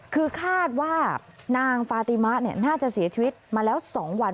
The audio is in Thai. คือคาดว่านางฟาติมะน่าจะเสียชีวิตมาแล้ว๒วัน